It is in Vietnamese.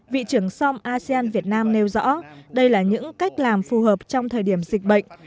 vị trưởng som asean việt nam nêu rõ đây là những cách làm phù hợp trong thời điểm dịch bệnh